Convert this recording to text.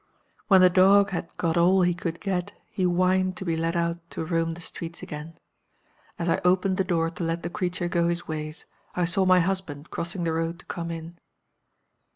"When the dog had got all he could get he whined to be let out to roam the streets again. "As I opened the door to let the creature go his ways, I saw my husband crossing the road to come in.